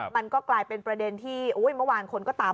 มันก็กลายเป็นประเด็นที่เมื่อวานคนก็ตาม